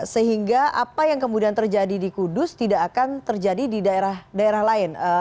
sehingga apa yang kemudian terjadi di kudus tidak akan terjadi di daerah daerah lain